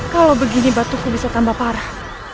kalau begini batuknya bisa tambah parah